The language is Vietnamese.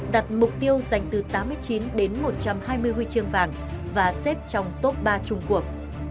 đặt mục tiêu dành từ tám mươi chín đến một trăm hai mươi huy chương vàng và xếp trong top ba trung cuộc